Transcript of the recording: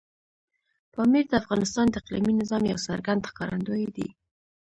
پامیر د افغانستان د اقلیمي نظام یو څرګند ښکارندوی دی.